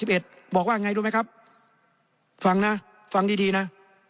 บอกว่าอย่างไรรู้ไหมครับฟังนะฟังดีนะ